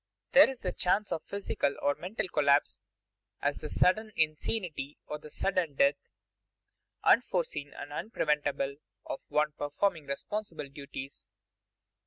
There is the chance of physical or mental collapse, as the sudden insanity or the sudden death, unforeseen and unpreventable, of one performing responsible duties.